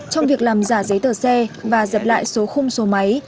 trong việc làm giả giấy tờ xe và dập lại số khung số máy